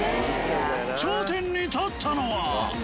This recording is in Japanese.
頂点に立ったのは